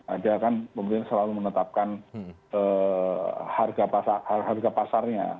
ada kan pemerintah selalu menetapkan harga pasarnya